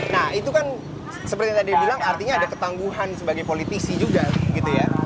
nah itu kan seperti yang tadi bilang artinya ada ketangguhan sebagai politisi juga gitu ya